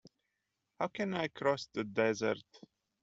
How can I cross the desert?